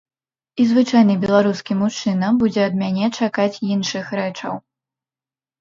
І звычайны беларускі мужчына будзе ад мяне чакаць іншых рэчаў.